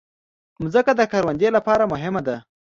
مځکه د کروندې لپاره مهمه ده.